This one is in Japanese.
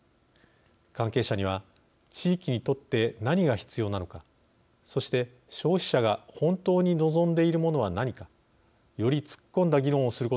関係者には地域にとって何が必要なのかそして消費者が本当に望んでいるものは何かより突っ込んだ議論をすることを望みたいと思います。